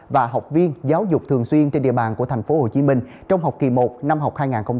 và học viên giáo dục thường xuyên trên địa bàn của tp hcm trong học kỳ một năm học hai nghìn hai mươi hai nghìn hai mươi